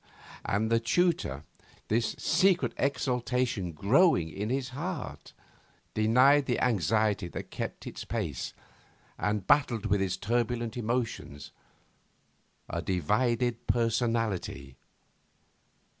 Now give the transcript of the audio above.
And the tutor, this secret exultation growing in his heart, denied the anxiety that kept it pace, and battled with his turbulent emotions, a divided personality.